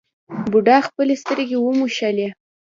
بوډا خپلې سترګې وموښلې.